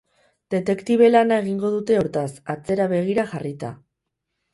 Detektibe lana egingo dute hortaz, atzera begira jarrita.